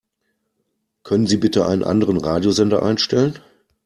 Können Sie bitte einen anderen Radiosender einstellen?